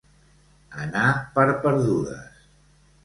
Anar per perdudes.